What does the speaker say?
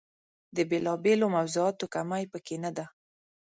د بېلا بېلو موضوعاتو کمۍ په کې نه ده.